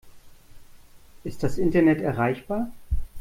Ist das Internet erreichbar?